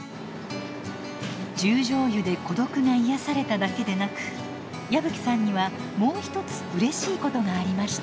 十條湯で孤独が癒やされただけでなく矢吹さんにはもう一つうれしいことがありました。